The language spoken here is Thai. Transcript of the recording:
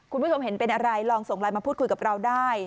คุณผู้ชมเห็นเป็นอะไรลองส่งไลน์มาพูดคุยกับเราได้